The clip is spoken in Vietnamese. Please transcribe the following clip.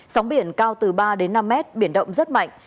sóng biển cao từ ba đến năm mét biển động rất mạnh